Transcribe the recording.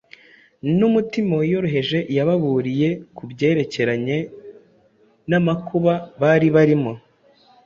N’umutima wiyoroheje, yababuriye ku byerekeranye n’amakuba bari barimo